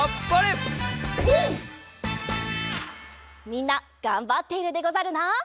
みんながんばっているでござるな。